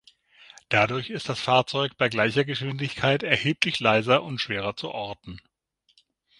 Dadurch ist das Fahrzeug bei gleicher Geschwindigkeit erheblich leiser und schwerer zu orten.